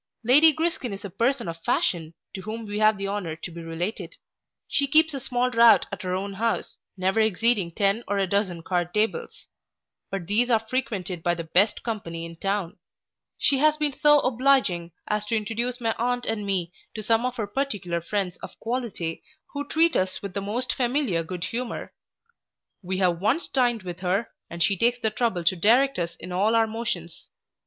Lady Griskin is a person of fashion, to whom we have the honour to be related. She keeps a small rout at her own house, never exceeding ten or a dozen card tables, but these are frequented by the best company in town She has been so obliging as to introduce my aunt and me to some of her particular friends of quality, who treat us with the most familiar good humour: we have once dined with her, and she takes the trouble to direct us in all our motions.